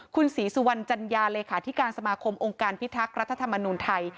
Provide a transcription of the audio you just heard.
คุณศรีสุวรรณจัญญาเลขาธิการสมาคมองค์การพิทักษ์รัฐธรรมนูญไทย